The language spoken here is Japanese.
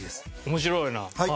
面白いな。